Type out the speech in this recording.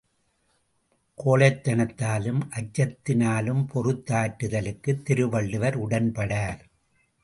கோழைத்தனத்ததினாலும் அச்சத்தினாலும் பொறுத்தாற்றுதலுக்குத் Thiruvalluvar உடன்படார்.